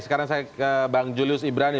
sekarang saya ke bang julius ibrani